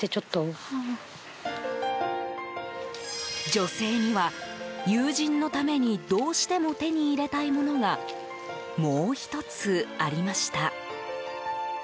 女性には、友人のためにどうしても手に入れたいものがもう１つありました。